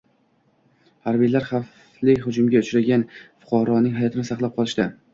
Harbiylar xavfli hujumga uchragan fuqaroning hayotini saqlab qolishdi